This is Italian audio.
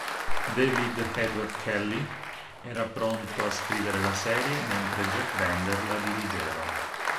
David E. Kelley era pronto a scrivere la serie mentre Jack Bender la dirigeva.